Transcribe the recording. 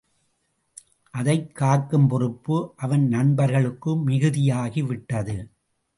அதைக் காக்கும் பொறுப்பு அவன் நண்பர்களுக்கு மிகுதியாகிவிட்டது.